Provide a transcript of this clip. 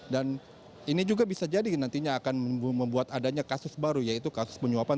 dan ini juga bisa jadi nantinya akan membuat adanya kasus baru yaitu kasus penyuapan